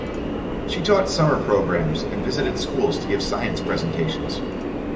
She taught summer programs and visited schools to give science presentations.